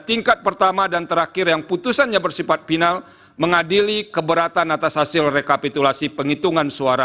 meng debutsy untuk mengadili keberatan swami singkong